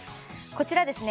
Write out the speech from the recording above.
こちらですね